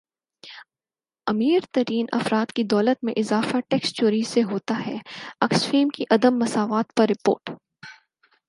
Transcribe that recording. امیر ترین افراد کی دولت میں اضافہ ٹیکس چوری سے ہوتا ہےاکسفیم کی عدم مساوات پر رپورٹ